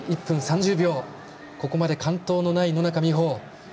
ここまで完登のない野中生萌。